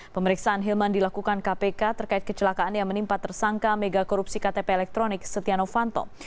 pemeriksaan hilman dilakukan kpk terkait kecelakaan yang menimpa tersangka mega korupsi ktp elektronik setia novanto